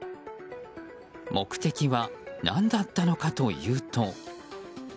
目的は何だったのかというと。